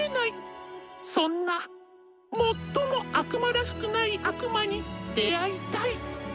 そんな最も悪魔らしくない悪魔に出会いたい。